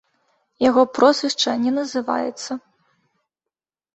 Яго прозвішча не называецца.